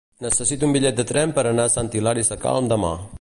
Necessito un bitllet de tren per anar a Sant Hilari Sacalm demà.